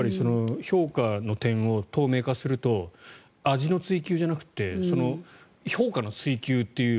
評価の点を透明化すると味の追求じゃなくて評価の追求という。